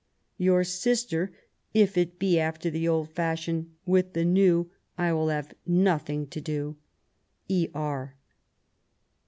Your sister, if it be after the old fashion ; with the new, I will have nothing to do. "E. R."